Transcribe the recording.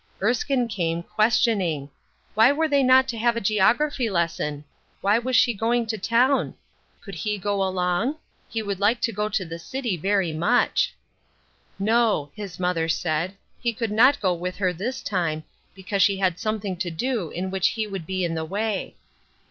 Erskine came, ques tioning : Why were they not to have a geography lesson ? Why was she going to town ? Could he go along ? He would like to go to the city very much. 314 UNDER GUIDANCE. No, his mother said, he could not go with her this time, because she had something to do in which he would be in the way.